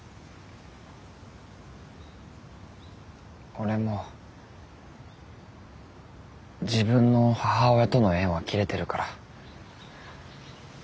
俺も自分の母親との縁は切れてるから。